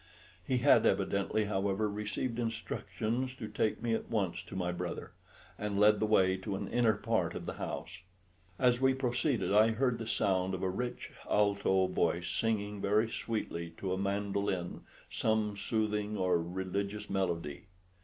He had evidently, however, received instructions to take me at once to my brother, and led the way to an inner part of the house. As we proceeded I heard the sound of a rich alto voice singing very sweetly to a mandoline some soothing or religious melody.